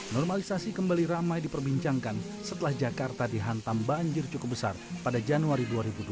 normalisasi kembali ramai diperbincangkan setelah jakarta dihantam banjir cukup besar pada januari dua ribu dua puluh